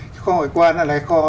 cái kho ngoại quan là cái kho